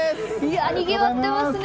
にぎわってますね！